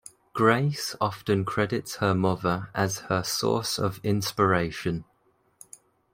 Grace often credits her mother as her source of inspiration.